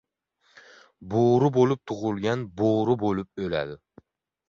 • Bo‘ri bo‘lib tug‘ilgan bo‘ri bo‘lib o‘ladi.